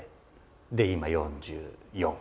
で今４４。